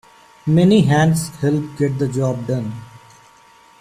Many hands help get the job done.